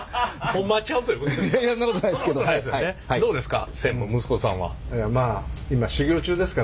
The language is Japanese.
そうですか。